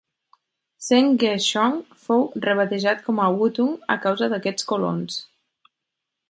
Seng Ge Gshong fou rebatejat com a Wutun a causa d'aquests colons.